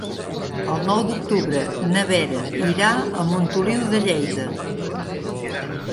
El nou d'octubre na Vera irà a Montoliu de Lleida.